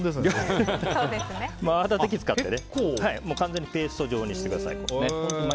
泡立て器を使って完全にペースト状にしてください。